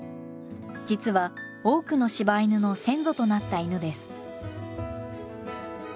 実は多くの柴犬の先祖となった犬です。